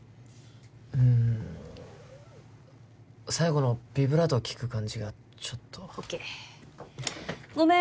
うん最後のビブラートきく感じがちょっとＯＫごめん